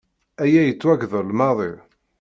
Aya yettwagdel maḍi.